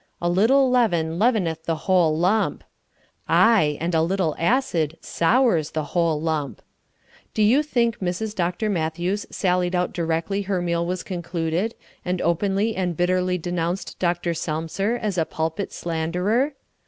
"A little leaven leaveneth the whole lump." Aye, and a little acid sours the whole lump. Do you think Mrs. Dr. Matthews sallied out directly her meal was concluded, and openly and bitterly denounced Dr. Selmser as a pulpit slanderer?